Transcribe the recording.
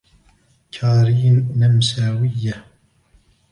كارين نمساوية.